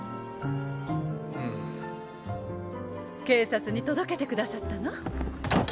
警察に届けて下さったの？